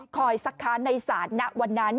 สักค้านในศาลณวันนั้น